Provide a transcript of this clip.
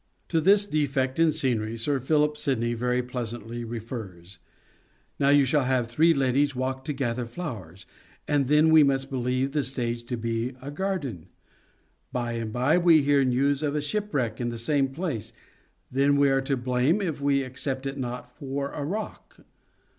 To this defect in scenery Sir Philip Sidney very pleasantly refers : Now you shall have three ladies walk to gather flowers, and then we must believe the stage to be a garden. By and by we hear news of shipwreck in the same place, then we are to blame if we accept it not for a rock.